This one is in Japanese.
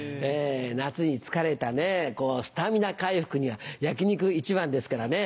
夏に疲れたスタミナ回復には焼き肉一番ですからね。